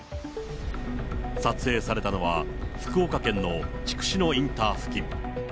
撮影されたのは、福岡県の筑紫野インター付近。